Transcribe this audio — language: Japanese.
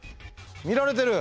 見られてる！